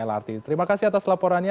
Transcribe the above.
lrt terima kasih atas laporannya